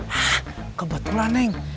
hah kebetulan neng